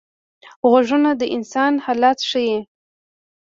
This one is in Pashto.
غږونه د انسان حالت ښيي